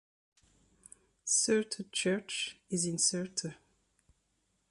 Surte Church is in Surte.